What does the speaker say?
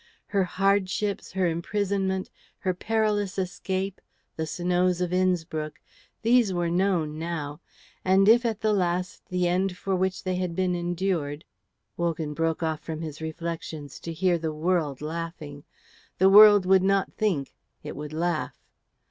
Her hardships, her imprisonment, her perilous escape, the snows of Innspruck, these were known now; and if at the last the end for which they had been endured Wogan broke off from his reflections to hear the world laughing. The world would not think; it would laugh.